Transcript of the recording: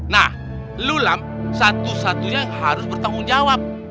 nah lulam satu satunya harus bertanggung jawab